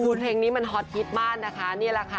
คือเพลงนี้มันฮอตฮิตมากนะคะนี่แหละค่ะ